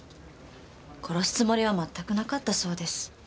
殺すつもりは全くなかったそうです。